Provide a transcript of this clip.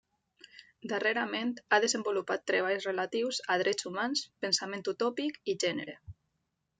Darrerament ha desenvolupat treballs relatius a drets humans, pensament utòpic i gènere.